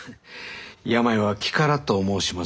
病は気からと申します。